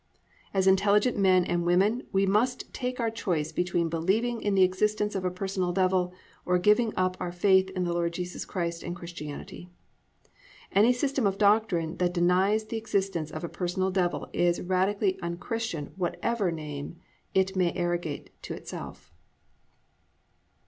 As intelligent men and women, we must take our choice between believing in the existence of a personal Devil or giving up our faith in Jesus Christ and Christianity. _Any system of doctrine that denies the existence of a personal Devil is radically unchristian whatever name it may arrogate to itself.